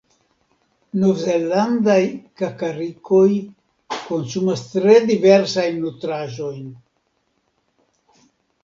Novzelandaj kakarikoj konsumas tre diversajn nutraĵojn.